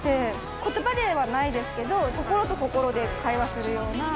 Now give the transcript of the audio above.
ことばではないですけど、心と心で会話するような。